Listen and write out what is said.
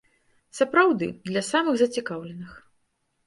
Сапраўды, для самых зацікаўленых.